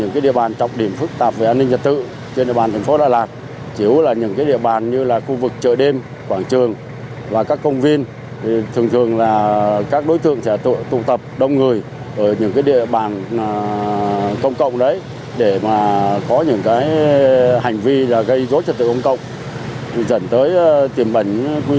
kinh tế an ninh trật tự là đà lạt mình thì nói là tư đối nó ổn định